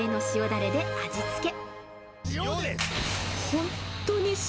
だれで味付け。